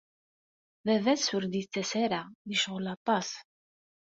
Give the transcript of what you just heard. Baba-s ur d-yettas ara. Yecɣel aṭas.